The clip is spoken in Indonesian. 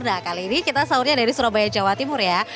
nah kali ini kita sahurnya dari surabaya jawa timur ya